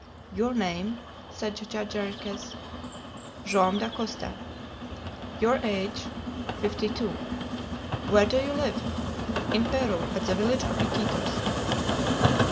"Your name?" said Judge Jarriquez. "Joam Dacosta." "Your age?" "Fifty two." "Where do you live?" "In Peru, at the village of Iquitos."